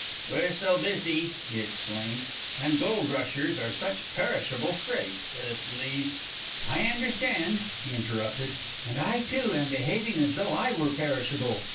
"We're so busy," he explained, "and gold rushers are such perishable freight, at least " "I understand," she interrupted, "and I, too, am behaving as though I were perishable.